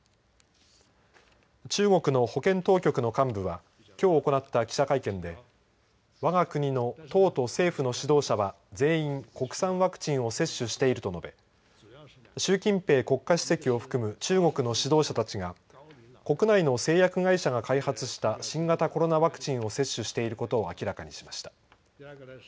中国の保健当局の幹部はきょう行った記者会見でわが国の党と政府の指導者は全員、国産ワクチンを接種していると述べ習近平国家主席を含む中国の指導者たちが国内の製薬会社が開発した新型コロナワクチンを接種していることを明らかにしました。